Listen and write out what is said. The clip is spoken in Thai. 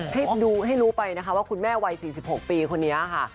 ให้ดูให้รู้ไปนะคะว่าคุณแม่วัย๔๖ปีคนนี้ค่ะ